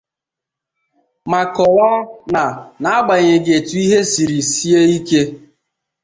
ma kọwaa na n'agbanyèghị etu ihe siri sie ike